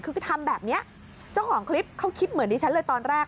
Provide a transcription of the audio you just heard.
คือทำแบบนี้เจ้าของคลิปเขาคิดเหมือนดิฉันเลยตอนแรก